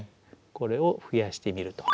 これを増やしてみると。